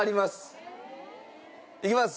いきます。